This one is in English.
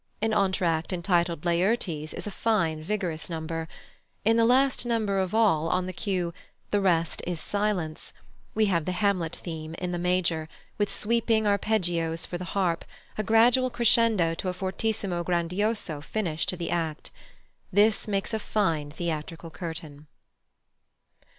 An entr'acte entitled "Laertes" is a fine, vigorous number. In the last number of all, on the cue "The rest is silence," we have the Hamlet theme in the major, with sweeping arpeggios for the harp, a gradual crescendo to a fortissimo grandioso finish to the act. This makes a fine theatrical curtain.